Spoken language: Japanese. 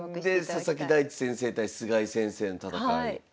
ほんで佐々木大地先生対菅井先生の戦い。